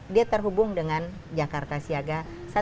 dia terhubung dengan jakarta siaga satu ratus dua belas